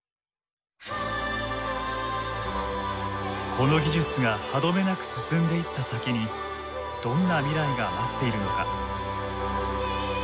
この技術が歯止めなく進んでいった先にどんな未来が待っているのか。